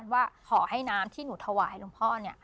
ว่าขอให้น้ำที่หนูถวายหลวงพ่อ